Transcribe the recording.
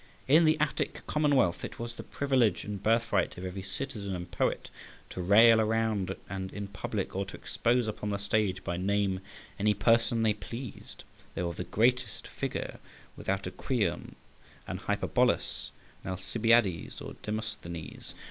In the Attic {56b} commonwealth it was the privilege and birthright of every citizen and poet to rail aloud and in public, or to expose upon the stage by name any person they pleased, though of the greatest figure, whether a Creon, an Hyperbolus, an Alcibiades, or a Demosthenes.